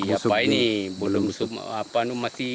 apa ini belum